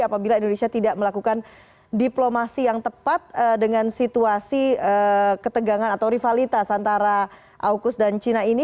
apabila indonesia tidak melakukan diplomasi yang tepat dengan situasi ketegangan atau rivalitas antara aukus dan china ini